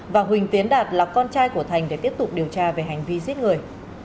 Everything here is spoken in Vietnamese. và huỳnh tiến đạt là con trai của thành để tiếp tục điều tra về hành vi giết người